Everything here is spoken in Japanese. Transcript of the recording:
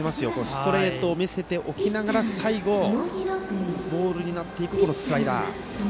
ストレートを見せておきながら最後、ボールになっていくスライダー。